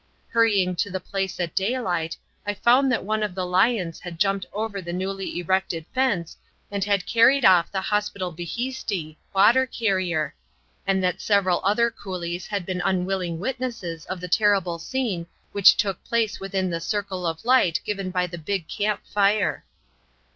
Hurrying to the place at daylight I found that one of the lions had jumped over the newly erected fence and had carried off the hospital bhisti (water carrier), and that several other coolies had been unwilling witnesses of the terrible scene which took place within the circle of light given by the big camp fire.